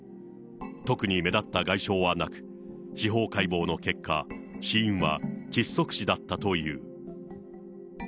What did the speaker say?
特に目立った外傷はなく、司法解剖の結果、死因は窒息死だったという。